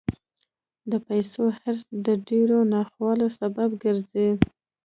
د پیسو حرص د ډېرو ناخوالو سبب ګرځي.